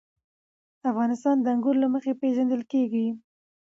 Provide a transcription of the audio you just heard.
افغانستان د انګور له مخې پېژندل کېږي.